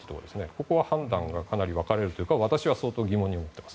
ここは判断がかなり分かれるというか私は相当、疑問に思っています。